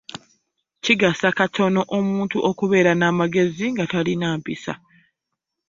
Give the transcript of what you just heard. Kigasa katono omuntu okubeera n'amagezi nga talina mpisa.